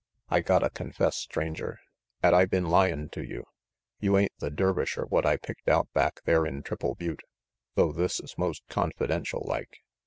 "I gotta confess, Stranger, 'at I been lyin' to you. You ain't the Dervisher what I picked out back there in Triple Butte, though this's most confidential like.